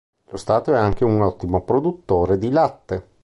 Lo Stato è anche un ottimo produttore di latte.